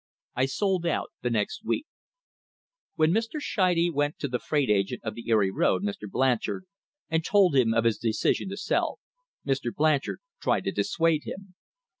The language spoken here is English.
I sold out the j _jiext week." When Mr. Scheide went to the freight agent of the Erie road, Mr. Blanchard, and told him of his decision to sell, Mr. Blanchard tried to dissuade him.